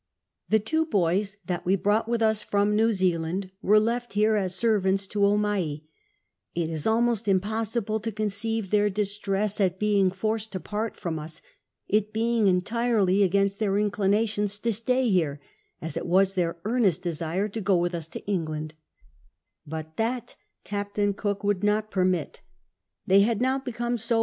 The two boys that we brought with us from New Zealand were left here as servants to Omai ; it is almost ini])ossible to conceivci their distress at being forced to jiart from ns, it being entirely against their inclinations to stay here, as it was their earnest desire to go wdtli us to England, but tliat (Captain Cook would not permit ; they had now become so wa*.